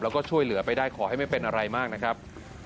แล้วก็ช่วยเหลือไปได้ขอให้ไม่เป็นอะไรมากนะครับ